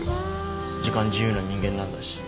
時間自由な人間なんだし。